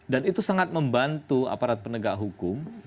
dan itu sangat membantu aparat penegak hukum